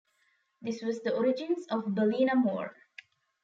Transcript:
This was the origins of Ballinamore.